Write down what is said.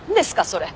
それ。